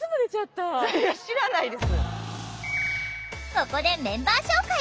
ここでメンバー紹介！